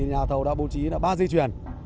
nhà thầu đã bố trí ba dây chuyền